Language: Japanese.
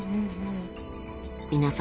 ［皆さん。